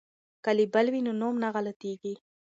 که لیبل وي نو نوم نه غلطیږي.